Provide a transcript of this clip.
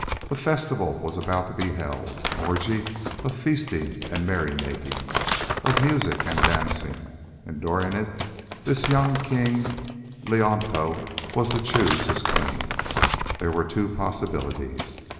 A festival was about to be held, an orgy of feasting and merrymaking, of music and dancing. And during it, this young King Leonto was to choose his queen. There were two possibilities.